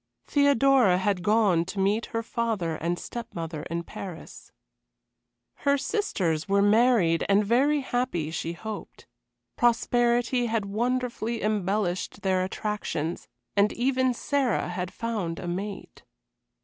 Theodora had gone to meet her father and step mother in Paris. Her sisters were married and very happy, she hoped. Prosperity had wonderfully embellished their attractions, and even Sarah had found a mate.